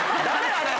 あれ。